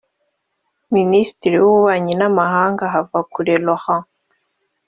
Minisitiri w’ububanyi n’amahanga Kavakure Laurent